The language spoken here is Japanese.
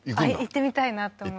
行ってみたいなと思います